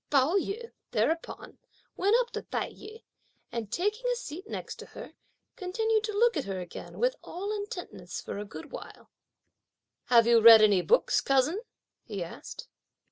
Pao yü, thereupon, went up to Tai yü, and taking a seat next to her, continued to look at her again with all intentness for a good long while. "Have you read any books, cousin?" he asked.